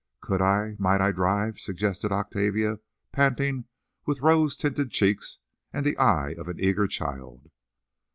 "Could I—might I drive?" suggested Octavia, panting, with rose tinted cheeks and the eye of an eager child.